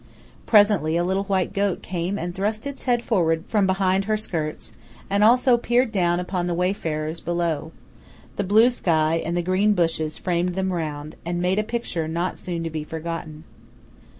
Presently a little white goat came and thrust its head forward from behind her skirts, and also peered down upon the wayfarers below. The blue sky and the green bushes framed them round, and made a picture not soon to be forgotten.